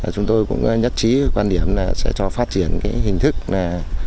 chúng tôi cũng nhất trí quan điểm là sẽ cho phát triển cái hình thức là